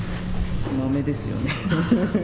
まめですよね。